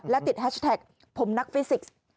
และติดแฮชแท็กผมนักฟิสิกส์